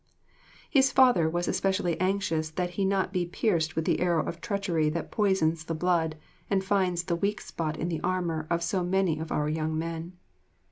His father was especially anxious that he be not pierced with the arrow of treachery that poisons the blood and finds the weak spot in the armour of so many of our young men.